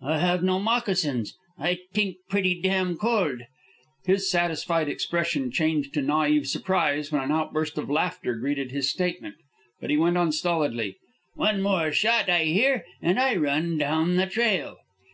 "I have no moccasins. I t'ink pretty damn cold." His satisfied expression changed to naive surprise when an outburst of laughter greeted his statement, but he went on stolidly. "One more shot I hear, and I run down the trail."